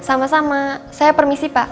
sama sama saya permisi pak